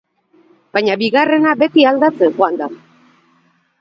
Baina bigarrena beti aldatzen joan da.